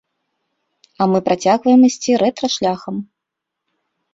А мы працягваем ісці рэтра-шляхам.